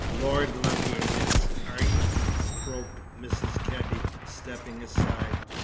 "Lord love ye, miss! are ye?" croaked Mrs. Kebby, stepping aside.